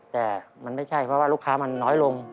แต่มันไม่ใช่เพราะว่าลูกค้ามันน้อยลง